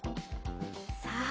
さあ